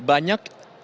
banyak mungkin anak anak